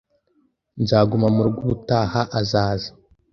Nzaguma murugo ubutaha azaza